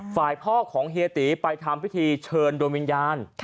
ฝ่ายพ่อของเฮียตีไปทำพิธีเชิญดวงวิญญาณ